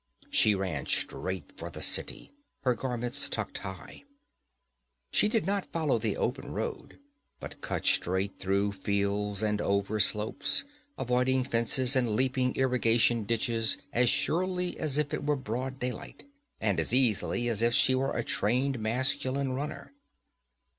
She ran straight for the city, her garments tucked high. She did not follow the open road, but cut straight through fields and over slopes, avoiding fences and leaping irrigation ditches as surely as if it were broad daylight, and as easily as if she were a trained masculine runner.